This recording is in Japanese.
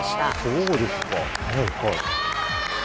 そうですか。